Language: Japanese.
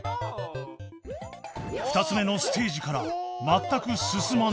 ２つ目のステージから全く進まない